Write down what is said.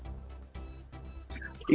ya audit dilakukan dalam kerajaan agama